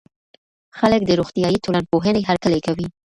خلګ د روغتيائي ټولنپوهنې هرکلی کوي.